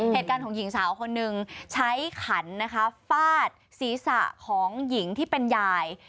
เหตุการณ์ของหญิงสาวคนหนึ่งใช้ขันนะคะฟาดศีรษะของหญิงที่เป็นยาย